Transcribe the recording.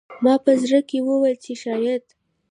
ما په زړه کې وویل چې شاید